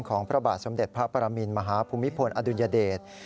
พระบาทสมเด็จพระปรมินมหาภูมิพลอดุลยเดช